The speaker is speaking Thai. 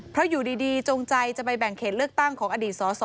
เพราะอยู่ดีจงใจจะไปแบ่งเขตเลือกตั้งของอดีตสส